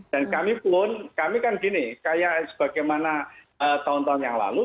dan kami pun kami kan gini kayak sebagaimana tahun tahun yang lalu